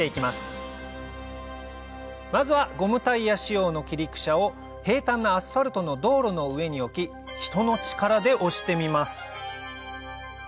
まずはゴムタイヤ使用の軌陸車を平坦なアスファルトの道路の上に置き人の力で押してみます